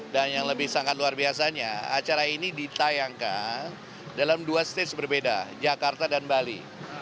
dan yang lebih sangat luar biasanya acara ini ditayangkan dalam dua stage berbeda jakarta dan bali